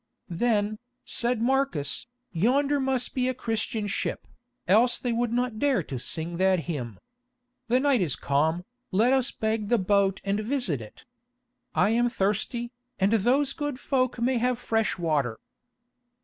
'" "Then," said Marcus, "yonder must be a Christian ship, else they would not dare to sing that hymn. The night is calm, let us beg the boat and visit it. I am thirsty, and those good folk may have fresh water."